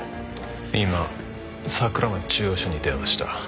今桜町中央署に電話した。